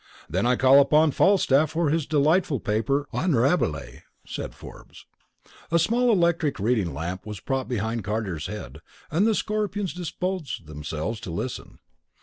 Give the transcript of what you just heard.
"Then I call upon Falstaff for his delightful paper on Rabelais," said Forbes. A small electric reading lamp was propped behind Carter's head, and the Scorpions disposed themselves to listen.